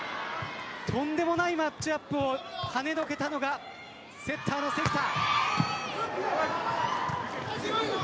とんでもないマッチアップをはねのけたのがセッターの関田。